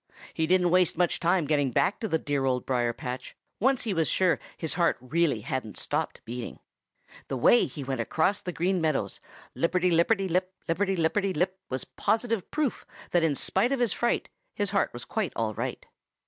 He didn't waste much time getting back to the dear Old Briar patch, once he was sure his heart hadn't really stopped beating. The way he went across the Green Meadows, lipperty lipperty lip, lipperty lipperty lip, was positive proof that in spite of his fright his heart was quite all right.